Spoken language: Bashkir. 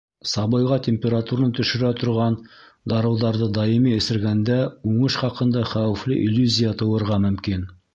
Сабыйға температураны төшөрә торған дарыуҙарҙы даими эсергәндә уңыш хаҡында хәүефле иллюзия тыуырға мөмкин!